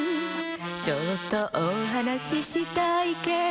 「ちょっとおはなししたいけど」